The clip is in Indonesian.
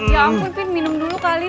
ya ampun minum dulu kali